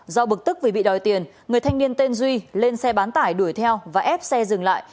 do bực tức vì bị đòi tiền người thanh niên tên duy lên xe bán tải đuổi theo và ép xe dừng lại